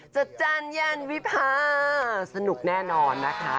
จัดจานยันวิพาสนุกแน่นอนนะคะ